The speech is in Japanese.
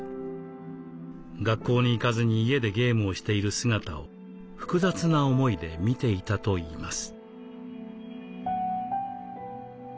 学校に行かずに家でゲームをしている姿を複雑な思いで見ていたといいます。